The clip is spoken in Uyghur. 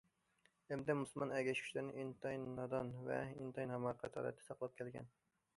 ھەمدە مۇسۇلمان ئەگەشكۈچىلەرنى ئىنتايىن نادان ۋە ئىنتايىن ھاماقەت ھالەتتە ساقلاپ كەلگەن.